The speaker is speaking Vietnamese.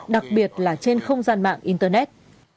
đặc biệt là trên không gian mạng internet